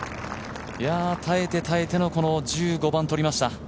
耐えて、耐えての、この１５番とりました。